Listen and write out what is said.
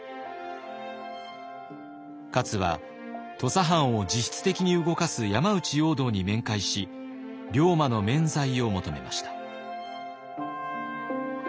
勝は土佐藩を実質的に動かす山内容堂に面会し龍馬の免罪を求めました。